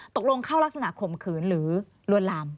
เข้ารักษณข่มขืนหรือลวนลาม